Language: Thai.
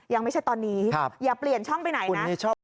ยังไม่ใช่ตอนนี้อย่าเปลี่ยนช่องไปไหนนะ